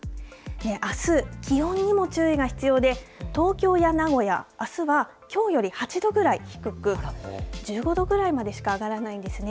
あす気温にも注意が必要で東京や名古屋あすはきょうより８度くらい低く１５度ぐらいまでしか上がらないんですね。